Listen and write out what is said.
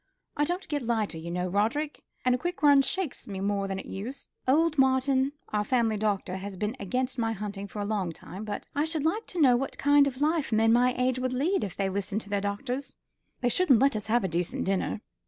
I don't get lighter, you know, Rorie, and a quick run shakes me more than it used. Old Martin, our family doctor, has been against my hunting for a long time; but I should like to know what kind of life men of my age would lead if they listened to the doctors. They wouldn't let us have a decent dinner."